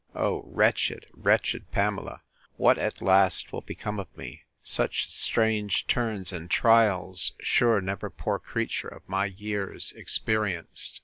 O wretched, wretched Pamela! What, at last, will become of me!—Such strange turns and trials sure never poor creature, of my years, experienced.